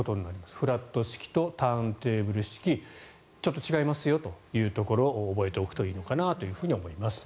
フラット式とターンテーブル式ちょっと違いますよというところを覚えておくといいのかなと思います。